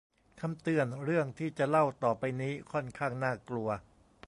คำเตือน : เรื่องที่จะเล่าต่อไปนี้ค่อนข้างน่ากลัว